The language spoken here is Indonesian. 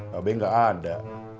tapi gak ada